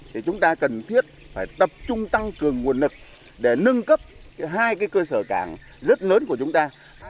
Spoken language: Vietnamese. thì chúng ta cần thiết phải tập trung tăng cường nguồn lực để nâng cấp hai cái cơ sở cảng rất lớn của chúng ta